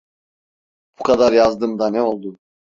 Bu kadar yazdım da ne oldu?